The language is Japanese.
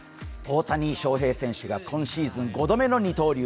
大谷翔平選手が今シーズン５度目の二刀流。